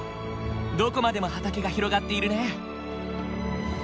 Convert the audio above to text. どこまでも畑が広がっているね。